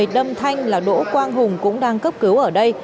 đâm thanh là đỗ quang hùng cũng đang cấp cứu ở đây